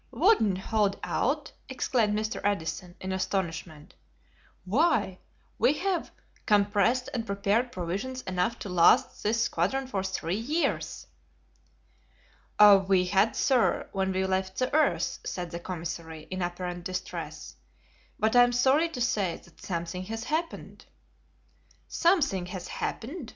"Wouldn't hold out?" exclaimed Mr. Edison, in astonishment, "why, we have compressed and prepared provisions enough to last this squadron for three years." "We had, sir, when we left the earth," said the commissary, in apparent distress, "but I am sorry to say that something has happened." "Something has happened!